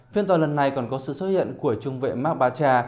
phiên tòa lần này còn có sự xuất hiện của trung vệ marc barca